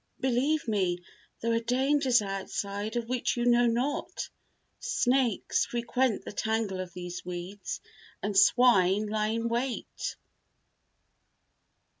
"Believe me, there are dangers outside of which you know not. Snakes frequent the tangle of these weeds and swine lie in wait."